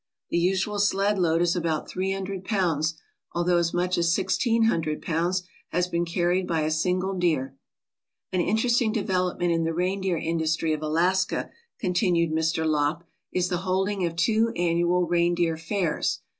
The usual sled load is about three hundred pounds, although as much as sixteen hundred pounds has been carried by a single deer. ("An interesting development in the reindeer industry of Alaska/' continued Mr. Lopp, "is the holding of two annual reindeer fairs.